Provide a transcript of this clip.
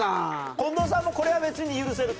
近藤さんもこれは別に許せると。